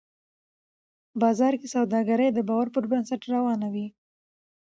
بازار کې سوداګري د باور پر بنسټ روانه وي